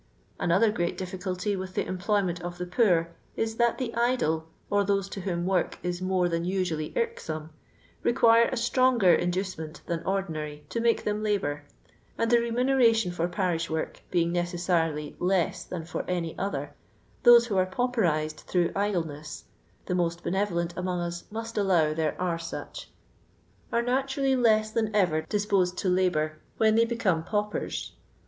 Another great difficulty with the empbyment of the poor is, that the idle, or those to whom work is more than usually irksome, require a stronger inducement than ordinary to moke them labour, and the remuneration for parish work being necessarily less than for any other, those who are pauperised through idleness (the most benoTolent anumg us must allow there are such) are naturally less than ever disposed to labour when they become paupers.